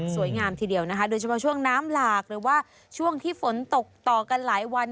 ทีเดียวนะคะโดยเฉพาะช่วงน้ำหลากหรือว่าช่วงที่ฝนตกต่อกันหลายวัน